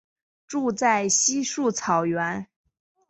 住在稀树草原。